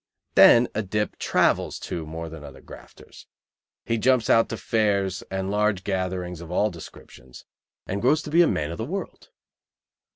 Then a dip travels, too, more than most grafters; he jumps out to fairs and large gatherings of all descriptions, and grows to be a man of the world.